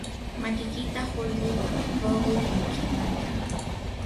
makikita qurquy ruqukuntimantaq.